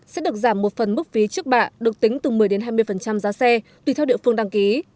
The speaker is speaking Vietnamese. sẽ được giảm một phần mức phí trước bạ được tính từ một mươi hai mươi giá xe tùy theo địa phương đăng ký